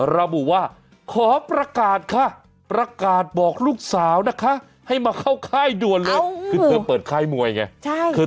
ระบุว่าขอประกาศค่ะประกาศบอกลูกสาวนะคะให้มาเข้าค่ายด่วนเลยคือเธอเปิดค่ายมวยไง